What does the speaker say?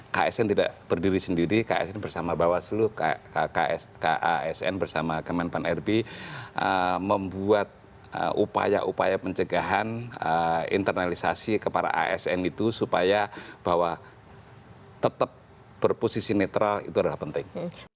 ksn tidak berdiri sendiri ksn bersama bawaslu kasn bersama kemenpan rb membuat upaya upaya pencegahan internalisasi kepada asn itu supaya bahwa tetap berposisi netral itu adalah penting